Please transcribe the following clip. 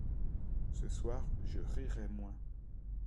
Ce soir je rirai moins.